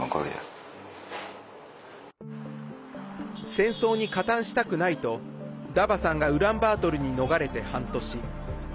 戦争に加担したくないとダバさんがウランバートルに逃れて半年。